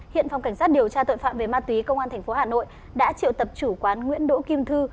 hiện phòng cảnh sát điều tra tội phạm về ma túy công an tp hà nội đã triệu tập chủ quán nguyễn đỗ kim thư